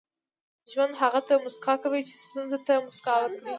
• ژوند هغه ته موسکا کوي چې ستونزې ته موسکا ورکړي.